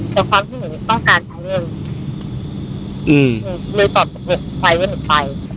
แต่ความที่หนูต้องการในเรื่องเนื้อต่อประตุภัยเข้ามีไค